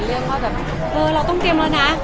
เรียกว่าแบบเออเราต้องเตรียมแล้วนะ